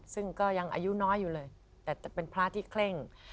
ซึ่งก็ยังอายุน้อยอยู่เลยแต่จะเป็นพระที่เคร่ง